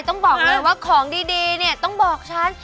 ต้องบอกเลยว่าของดีเนี่ยต้องบอกฉัน